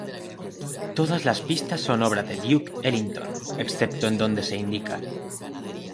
Todas las pistas son obra de Duke Ellington excepto en donde se indica.